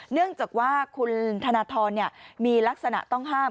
เนื่องจากว่าคุณธนทรมีลักษณะต้องห้าม